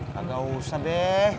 kagak usah be